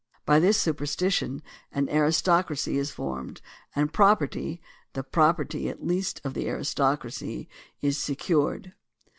By this super stition, an aristocracy is formed and property (the property, at least, of the aristocracy) is secured.